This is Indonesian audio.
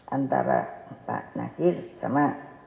antara pak nasir sama